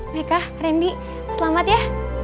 meka randy selamat ya